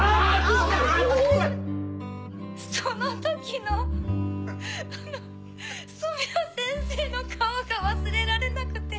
その時のあの染谷先生の顔が忘れられなくて。